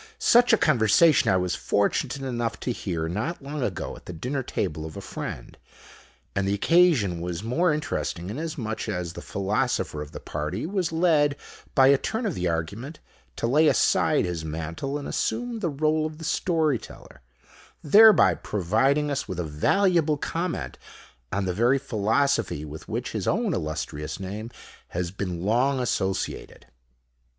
Such a conversation I was fortunate enough to hear not long ago at the dinner table of a friend; and the occasion was the more interesting inasmuch as the Philosopher of the party was led by a turn of the argument to lay aside his mantle and assume the rôle of the story teller; thereby providing us with a valuable comment on the very philosophy with which his own illustrious name has been long associated.